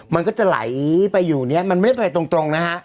มันก็จะไหลไปอยู่เนี่ยมันไม่ได้ไปตรงนะฮะ